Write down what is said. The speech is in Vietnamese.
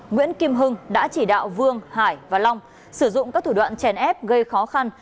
nguyễn kim hưng đã chỉ đạo vương hải và long sử dụng các thủ đoạn chèn ép gây khó khăn